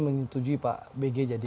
menyetujui pak bg jadi